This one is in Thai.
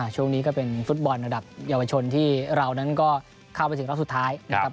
ช่วงนี้ก็เป็นฟุตบอลระดับเยาวชนที่เรานั้นก็เข้าไปถึงรอบสุดท้ายนะครับ